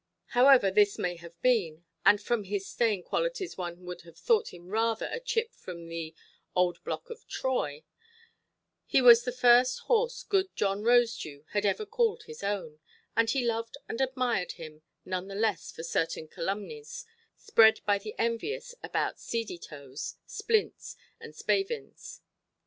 However this may have been—and from his "staying qualities" one would have thought him rather a chip from the old block of Troy—he was the first horse good John Rosedew had ever called his own; and he loved and admired him none the less for certain calumnies spread by the envious about seedy–toes, splints, and spavins.